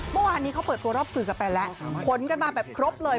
เมื่อวานนี้เขาเปิดตัวรอบสื่อกันไปแล้วขนกันมาแบบครบเลย